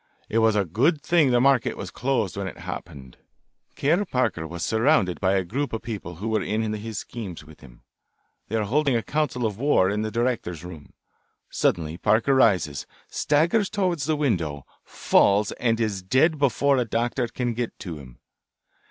It was a good thing the market was closed when it happened. "Kerr Parker was surrounded by a group of people who were in his schemes with him. They are holding a council of war in the directors' room. Suddenly Parker rises, staggers toward the window, falls, and is dead before a doctor can get to him.